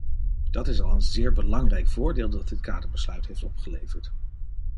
Dat is al een zeer belangrijk voordeel dat dit kaderbesluit heeft opgeleverd.